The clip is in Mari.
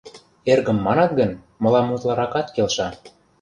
«Эргым» манат гын, мылам утларакат келша...